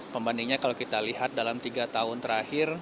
pembandingnya kalau kita lihat dalam tiga tahun terakhir